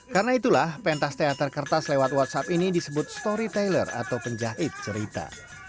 karena itulah pentas teater kertas lewat whatsapp ini disebut storyteller atau penjahit cerita